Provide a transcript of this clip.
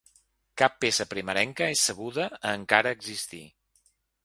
Cap peça primerenca és sabuda a encara existir.